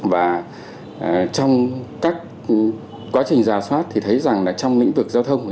và trong các quá trình giả soát thì thấy rằng là trong lĩnh vực giao thông